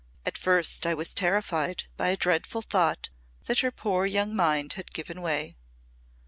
At first I was terrified by a dreadful thought that her poor young mind had given way.